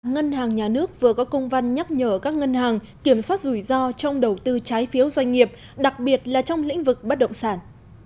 ngân hàng nhà nước vừa có công văn nhắc nhở các ngân hàng kiểm soát rủi ro trong đầu tư trái phiếu doanh nghiệp đặc biệt là trong lĩnh vực bất động sản